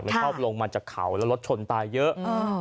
มันชอบลงมาจากเขาแล้วรถชนตายเยอะ